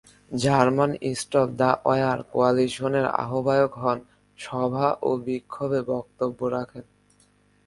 German stop the war কোয়ালিশনের আহবায়ক হন, সভা ও বিক্ষোভে বক্তব্য রাখেন।